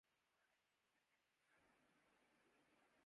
مری جبیں پہ مرے آنسوؤں سے کل لکھ دے